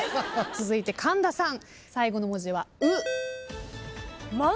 続いて神田さん。